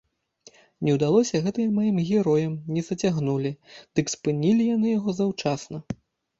Не ўдалося гэта і маім героям не зацягнулі, дык спынілі яны яго заўчасна.